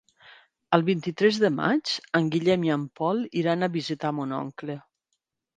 El vint-i-tres de maig en Guillem i en Pol iran a visitar mon oncle.